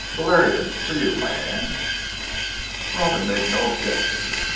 Valerian for you my man." Robin made no objection.